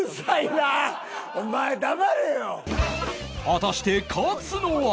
果たして勝つのは？